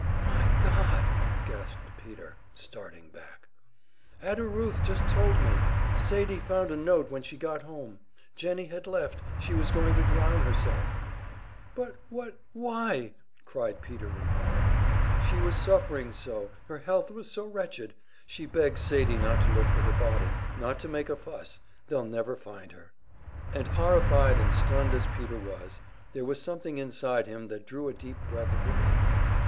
"My God!" gasped Peter, starting back. "Ada Ruth just told me. Sadie found a note when she got home. Jennie had left she was going to drown herself." "But what why?" cried Peter, in horror. "She was suffering so, her health was so wretched, she begs Sadie not to look for her body, not to make a fuss they'll never find her." And horrified and stunned as Peter was, there was something inside him that drew a deep breath of relief.